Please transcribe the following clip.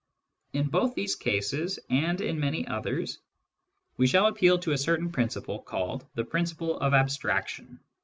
In both these cases, and in many others, we shall appeal to a certain principle called "the principle of : abstraction."